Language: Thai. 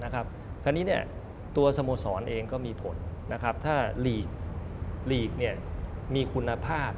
คราวนี้ตัวสโมสรเองก็มีผลถ้าลีกมีคุณภาพ